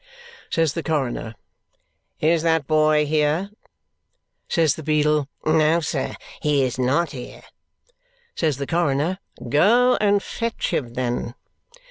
Says the coroner, is that boy here? Says the beadle, no, sir, he is not here. Says the coroner, go and fetch him then.